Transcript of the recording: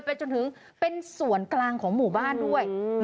จนถึงเป็นส่วนกลางของหมู่บ้านด้วย